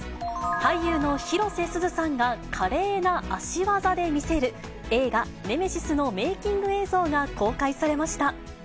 俳優の広瀬すずさんが華麗な足技で魅せる、映画、ネメシスのメーキング映像が公開されました。